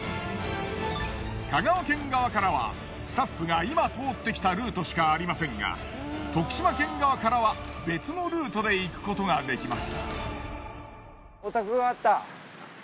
香川県側からはスタッフが今通ってきたルートしかありませんが徳島県側からは別のルートで行くことができます。